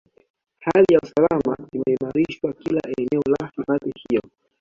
Hali ya usalama imeimarishwa kila eneo la hifadhi hiyo